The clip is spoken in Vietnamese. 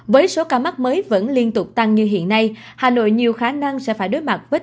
với số ca mắc mới vẫn liên tục tăng như hiện nay hà nội nhiều khả năng sẽ phải đối mặt với